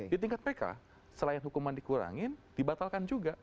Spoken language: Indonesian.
di tingkat pk selain hukuman dikurangin dibatalkan juga